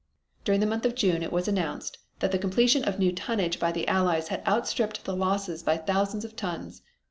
During the month of June it was announced that the completion of new tonnage by the Allies had outstripped the losses by thousands of tons.